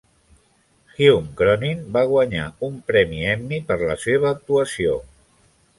Hume Cronyn va guanyar un premi Emmy per la seva actuació.